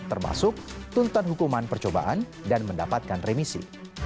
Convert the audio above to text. termasuk tuntutan hukuman percobaan dan mendapatkan remisi